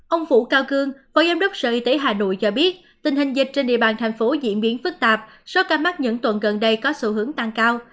ông vũ cao cương phó giám đốc sở y tế hà nội cho biết tình hình dịch trên địa bàn thành phố diễn biến phức tạp số ca mắc những tuần gần đây có xu hướng tăng cao